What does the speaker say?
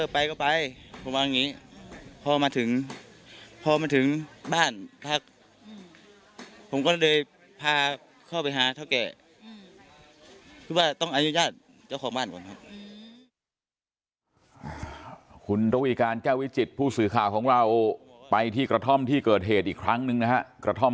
พอมาถึงบ้านพักผมก็เลยพาเข้าไปหาเท่าแก่